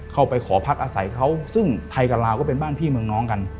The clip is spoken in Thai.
เข้าไปขอพักอาศัยเขาซึ่งไทยกับลาวก็เป็นบ้านพี่เมืองน้องกัน